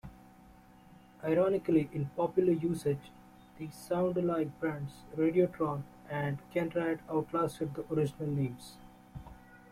Ironically, in popular usage, the sound-alike brands "Radiotron" and "Ken-Rad" outlasted the original names.